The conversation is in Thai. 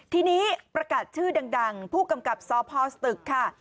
ทีนี้ประกาศชื่อดังผู้กำกับสพสตึกค่ะ